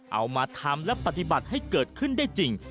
เอามาทำและปฏิบัติให้เกิดขึ้นได้จริง